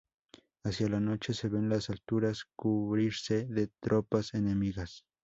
Hacia la noche, se ven las alturas cubrirse de tropas enemigas.